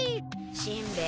しんべヱ